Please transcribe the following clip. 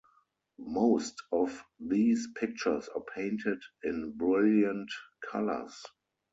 Most of these pictures are painted in brilliant colours.